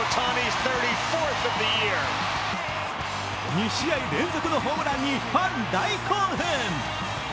２試合連続のホームランにファン大興奮！